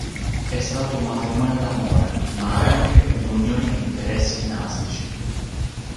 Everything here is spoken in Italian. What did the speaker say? È stato un matrimonio d'amore, ma anche una unione di interessi dinastici.